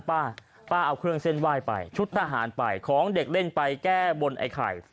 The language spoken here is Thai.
ป้าป้าเอาเครื่องเส้นไหว้ไปชุดทหารไปของเด็กเล่นไปแก้บนไอ้ไข่